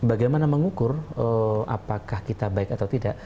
bagaimana mengukur apakah kita baik atau tidak